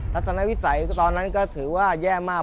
รัฐนวิสัยตอนนั้นก็ถือว่าแย่มาก